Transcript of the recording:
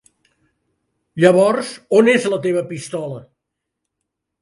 Llavors on és la teva pistola?